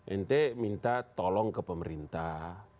ente minta tolong ke pemerintah